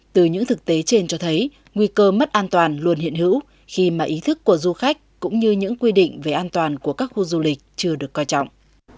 từ những thực tế trên cho thấy nguy cơ mất an toàn luôn hiện hữu khi mà ý thức của du khách cũng như những quy định về an toàn của các khu du lịch chưa được coi trọng